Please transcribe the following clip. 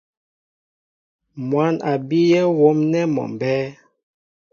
Mwǎn a bíyɛ́ wóm nɛ́ mɔ mbɛ́ɛ́.